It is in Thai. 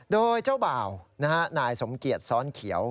โดยเจ้าบ่าวนายสมเกียจซ้อนเขียว